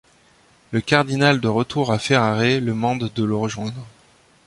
Le cardinal de retour à Ferrare le mande de le rejoindre.